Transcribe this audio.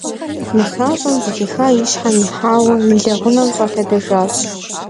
Нысащӏэм, зэхихар и щхьэм ихьауэ, и лэгъунэм щӏэлъэдэжащ.